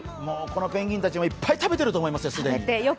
このペンギンたちも既にたくさん食べてると思いますよ。